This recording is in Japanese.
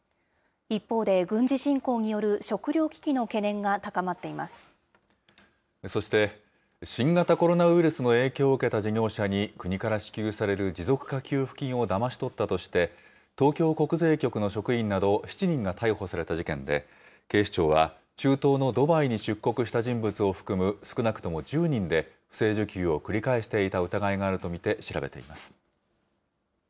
一方で軍事侵攻による食糧危機のそして、新型コロナウイルスの影響を受けた事業者に、国から支給される持続化給付金をだまし取ったとして、東京国税局の職員など７人が逮捕された事件で、警視庁は、中東のドバイに出国した人物を含む、少なくとも１０人で、不正受給を繰り返していた疑いがあると見て調べています。